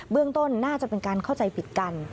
เรื่องต้นน่าจะเป็นการเข้าใจผิดกัน